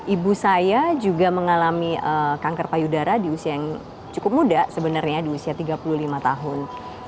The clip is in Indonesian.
ibu saya juga mengalami kanker payudara di usia yang cukup muda sebenarnya di usia tiga puluh lima tahun